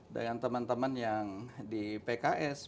dengan teman teman yang di pks